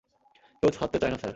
কেউ ছাড়তে চায় না, স্যার।